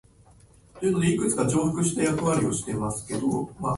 許そうとは思いませんか